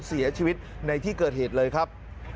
เสียชีวิตในที่เกิดเหตุเลยครับ